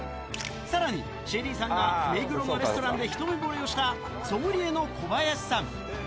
さらに、ＳＨＥＬＬＹさんが目黒のレストランで一目ぼれをしたソムリエの小林さん。